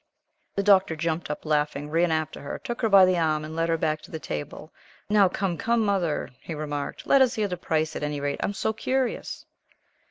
The Doctor jumped up, laughing, ran after her, took her by the arm, and led her back to the table. "Now, come, come, Mother," he remarked, "let us hear the price at any rate. I am so curious."